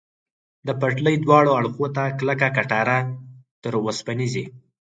د پټلۍ دواړو اړخو ته کلکه کټاره، تر اوسپنیزې.